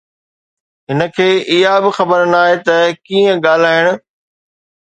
هن کي اها به خبر ناهي ته ڪيئن ڳالهائڻ